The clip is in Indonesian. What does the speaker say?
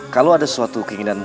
kalau ada suatu keinginanmu